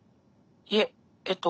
いええっと